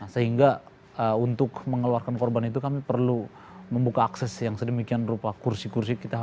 sehingga untuk mengeluarkan korban itu kami perlu membuka akses yang sedemikian rupa kursi kursi